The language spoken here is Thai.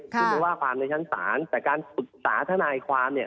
คือว่าความในชั้นสารแต่การปรึกษาทนายความ